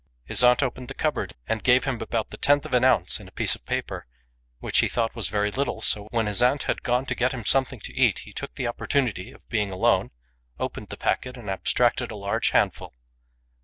His aunt opened the cupboard and gave him about the tenth of an ounce in a piece of paper, which he thought was very little; so, when his aunt had gone to get him something to eat, he took the opportunity of being alone, opened the packet, and ab stracted a large handful.